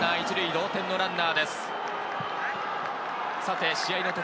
同点のランナーです。